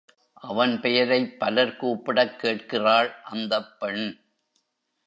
அவன் பெயரைப் பலர் கூப்பிடக் கேட்கிறாள் அந்தப் பெண்.